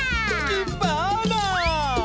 キバーナ！